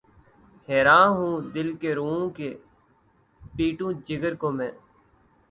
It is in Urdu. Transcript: حیراں ہوں‘ دل کو روؤں کہ‘ پیٹوں جگر کو میں